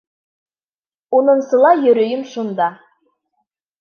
— Унынсыла йөрөйөм шунда.